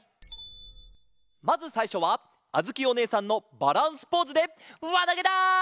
まずさいしょはあづきおねえさんのバランスポーズでわなげだ！